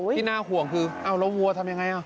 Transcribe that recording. ที่น่าห่วงคือเอาแล้ววัวทำยังไง